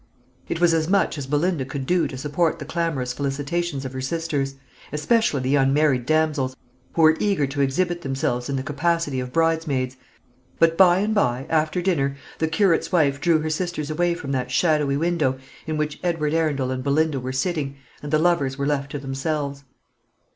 It was as much as Belinda could do to support the clamorous felicitations of her sisters, especially the unmarried damsels, who were eager to exhibit themselves in the capacity of bridesmaids; but by and by, after dinner, the Curate's wife drew her sisters away from that shadowy window in which Edward Arundel and Belinda were sitting, and the lovers were left to themselves.